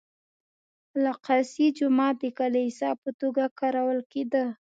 الاقصی جومات د کلیسا په توګه کارول کېده.